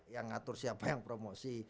yang ngatur siapa yang promosi